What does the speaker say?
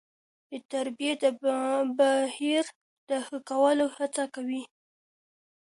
د تربيې د بهیر د ښه کولو هڅه کوي.